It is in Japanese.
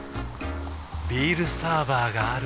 ビールサーバーがある夏。